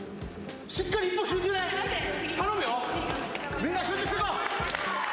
みんな集中していこう。